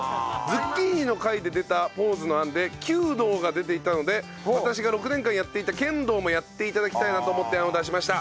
ズッキーニの回で出たポーズの案で弓道が出ていたので私が６年間やっていた剣道もやって頂きたいなと思って案を出しました。